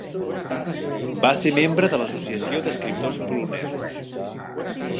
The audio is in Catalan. Va ser membre de l'Associació d'escriptors polonesos.